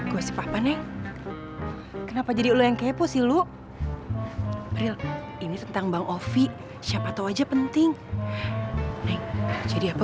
gosip apa neng kenapa jadi lo yang kepo sih lu ini tentang bang opi siapa tau aja penting jadi apa